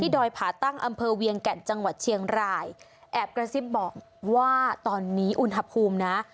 ดอยผาตั้งอำเภอเวียงแก่นจังหวัดเชียงรายแอบกระซิบบอกว่าตอนนี้อุณหภูมินะ